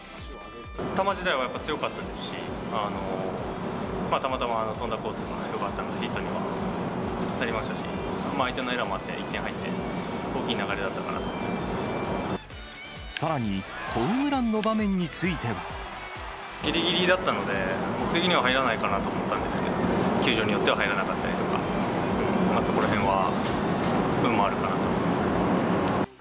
球自体はやっぱり強かったですし、たまたま飛んだコースはよかったのでヒットになりましたし、相手のエラーもあって１点入って、さらに、ホームランの場面にぎりぎりだったので、僕的には入らないかなと思ったんですけど、球場によっては入らなかったりとか、そこらへんは運もあるかなと思います。